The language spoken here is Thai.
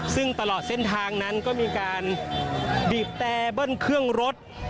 ซึ่งตลอดเส้นทางนั้นก็มีการบีบแต่เบิ้ลเครื่องรถ